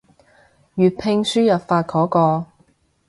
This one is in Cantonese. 粵拼輸入法嗰個